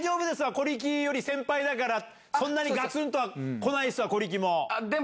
小力より先輩だから、そんなにがつんとはこないですわ、小力も。